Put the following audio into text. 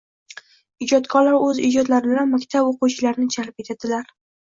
Ijodkorlar o’z ijodlari bilan maktab o’quvchilarini jalb etadilar.